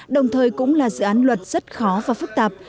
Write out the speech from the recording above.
đồng thời cũng là dự án luật rất khó và phức tạp